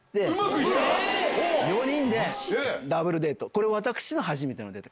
これ私の初めてのデート